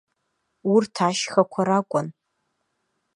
Урҭ ашьхақәа ракәын.